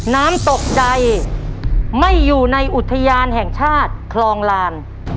น้ำตกใดไม่อยู่ในอุทยานแห่งชาติคลองลาน